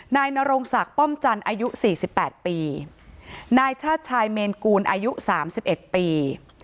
นายนรงศักดิ์ป้อมจันทร์อายุสี่สิบแปดปีนายชาติชายเมนกูลอายุสามสิบเอ็ดปี